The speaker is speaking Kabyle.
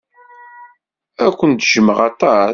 Ad ken-jjmeɣ aṭas.